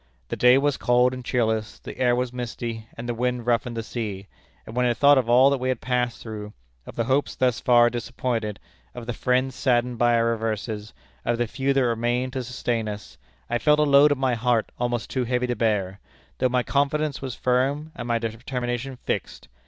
The day was cold and cheerless, the air was misty, and the wind roughened the sea; and when I thought of all that we had passed through of the hopes thus far disappointed, of the friends saddened by our reverses, of the few that remained to sustain us I felt a load at my heart almost too heavy to bear, though my confidence was firm, and my determination fixed.